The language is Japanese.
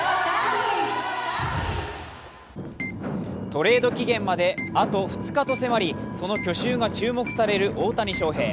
トレード期限まであと２日と迫り、その去就が注目される大谷翔平。